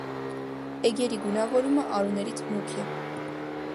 Էգերի գունավորումը արուներից մուգ է։